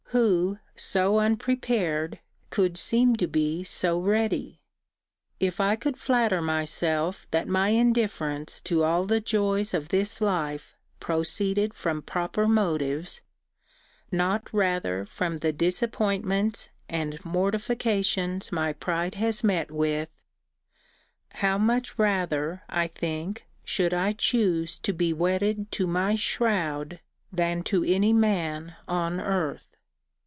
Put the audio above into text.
Who, so unprepared, could seem to be so ready? If I could flatter myself that my indifference to all the joys of this life proceeded from proper motives, not rather from the disappointments and mortifications my pride has met with, how much rather, I think, should I choose to be wedded to my shroud than to any man on earth!